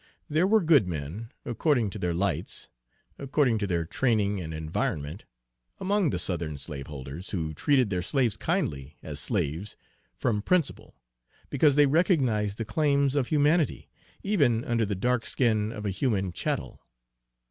There were good men, according to their lights, according to their training and environment, among the Southern slaveholders, who treated their slaves kindly, as slaves, from principle, because they recognized the claims of humanity, even under the dark skin of a human chattel.